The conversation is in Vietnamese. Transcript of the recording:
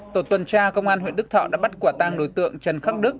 tổ tuần tra công an huyện đức thọ đã bắt quả tang đối tượng trần khắc đức